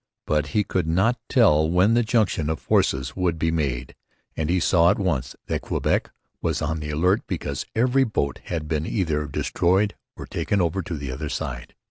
But he could not tell when the junction of forces would be made; and he saw at once that Quebec was on the alert because every boat had been either destroyed or taken over to the other side.